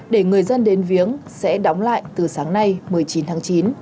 để người dân đến viếng sẽ đóng lại từ sáng nay một mươi chín tháng chín